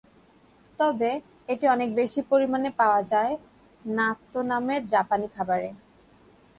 তবে এটি অনেক বেশি পরিমাণে পাওয়া যায় নাত্তো নামের জাপানি খাবারে।